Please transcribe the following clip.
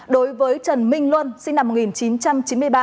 đối với trần minh luân sinh năm một nghìn chín trăm chín mươi ba